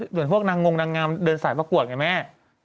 เหมือนพวกนางงนางงามเดินสายประกวดไงแม่